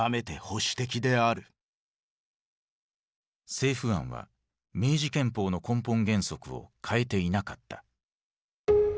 政府案は明治憲法の根本原則を変えていなかった。